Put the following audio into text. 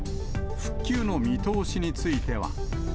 復旧の見通しについては。